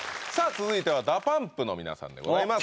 続いては「ＤＡＰＵＭＰ」の皆さんでございます